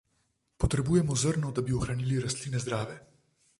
Potrebujemo zrno, da bi ohranili rastline zdrave.